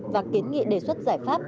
và kiến nghị đề xuất giải pháp